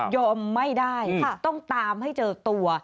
ไม่ได้ต้องตามให้เจอตัว